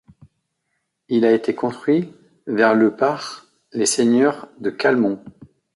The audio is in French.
Il a été construit vers le par les seigneurs de Calmont.